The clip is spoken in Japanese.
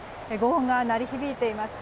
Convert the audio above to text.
轟音が鳴り響いています。